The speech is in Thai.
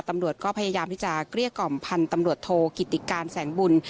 ตำรวจก็พยายามที่จะเกลี้ยกล่อมพันธุ์ตำรวจโทกิติการแสงบุญ